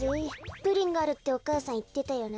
「プリンがある」ってお母さんいってたよな。